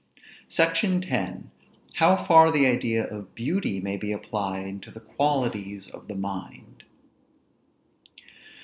SECTION X. HOW FAR THE IDEA OF BEAUTY MAY BE APPLIED TO THE QUALITIES OF THE MIND.